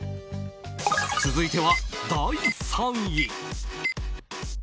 続いては第３位。